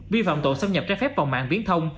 vi phạm tội xâm nhập trái phép vào mạng viễn thông